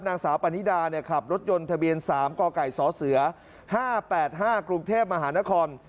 นางสาวปานิดาขับรถยนต์ทะเบียน๓กไก่สเส๕๘๕กรุงเทพมหานคร